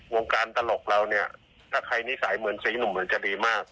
วงการตลกเราเนี่ยถ้าใครนิสัยเหมือนสีหนุ่มเหมือนจะดีมาก